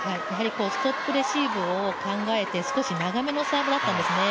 ストップレシーブを考えて少し長めのサーブだったんですね。